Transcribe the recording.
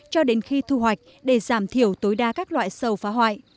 cho đến khi thu hoạch để giảm thiểu tối đa các loại sâu phá hoại